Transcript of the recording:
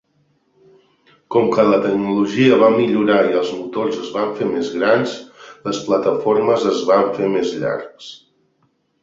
Com que la tecnologia va millorar i els motors es van fer més grans, les plataformes es van fer més llargs.